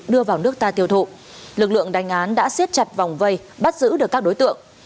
đưa vào nước ta tiêu thụ lực lượng đánh án đã xiết chặt vòng vây bắt giữ được các đối tượng